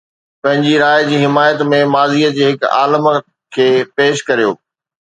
پنهنجي راءِ جي حمايت ۾ ماضيءَ جي هڪ عالم کي پيش ڪريو.